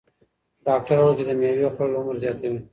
ډاکتر وویل چې د مېوې خوړل عمر زیاتوي.